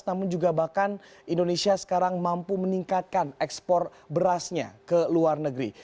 namun juga bahkan indonesia sekarang mampu meningkatkan ekspor berasnya ke luar negeri